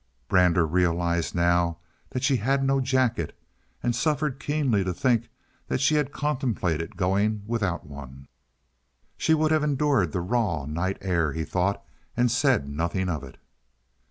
Brander realized now that she had no jacket, and suffered keenly to think that she had contemplated going without one. "She would have endured the raw night air," he thought, "and said nothing of it."